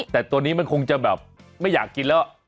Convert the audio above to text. แต่ตัวนี้มันคงจะแบบไม่อยากกินแล้ว